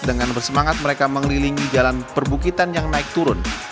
dengan bersemangat mereka mengelilingi jalan perbukitan yang naik turun